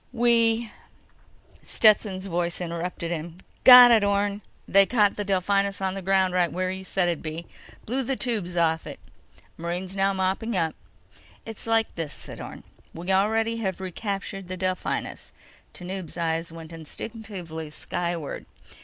"We—" Stetson's voice interrupted him: "Got it, Orne! They caught the Delphinus on the ground right where you said it'd be! Blew the tubes off it. Marines now mopping up." "It's like this," said Orne. "We already have recaptured the Delphinus." Tanub's eyes went instinctively skyward.